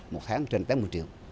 một tháng trên tám mươi triệu